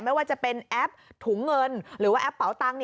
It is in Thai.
ไม่ว่าจะเป็นแอปถเงินหรือแอปเปล่าตัง